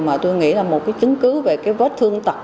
mà tôi nghĩ là một cái chứng cứ về cái vết thương tật